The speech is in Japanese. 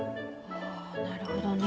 あなるほどね。